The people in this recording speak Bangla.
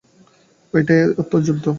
এইটার অর্থ যুদ্ধ।